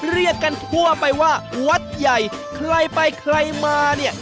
เรียกกันทั่วไปว่าวัดใหญ่ใครไปใครมาเนี่ย